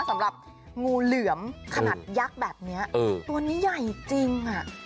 สำหรับงูเหลือมขนาดยักษ์แบบนี้ตัวนี้ใหญ่จริงอ่ะ